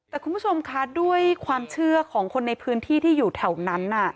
แต่คุณผู้ชมคะด้วยความเชื่อของคนในพื้นที่ที่อยู่แถวนั้น